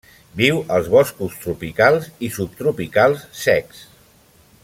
Viu als boscos tropicals i subtropicals secs.